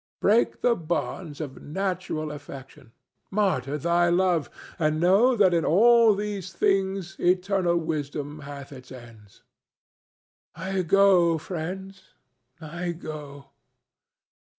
Break the bonds of natural affection, martyr thy love, and know that in all these things eternal wisdom hath its ends.' I go, friends, I go.